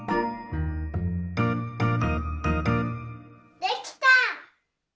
できた！